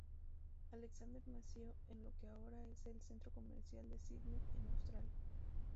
Alexander nació en lo que ahora es el centro comercial de Sídney en Australia.